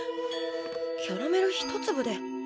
キャラメル一粒で。